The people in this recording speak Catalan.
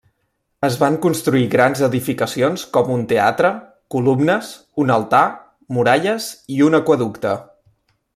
Es van construir grans edificacions com un teatre, columnes, un altar, muralles i un aqüeducte.